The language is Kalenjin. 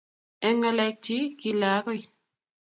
Eng ngalechik, kile akoi